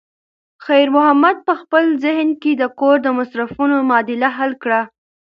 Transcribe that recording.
خیر محمد په خپل ذهن کې د کور د مصرفونو معادله حل کړه.